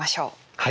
はい。